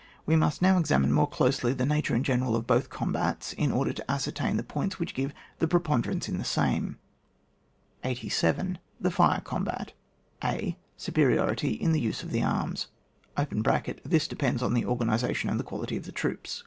We must now examine more closely the nature in general of both combats, in order to ascertain the points which give the preponderance in the same. 87. The fire combat. (fl) Superiority in the use of the arms: QUIBE TO TACTICS, OR THE THEORY OF THE COMBAT. 133 (this depends on the organisation and the quality of the troops.)